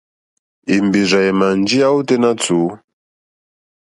Èmbèrzà èmà njíyá ôténá tùú.